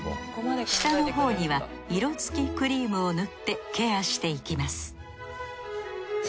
下のほうには色つきクリームを塗ってケアしていきます